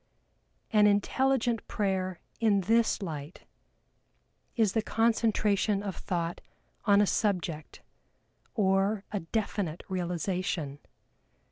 An intelligent prayer in this light is the concentration of thought on a subject, or a definite realization.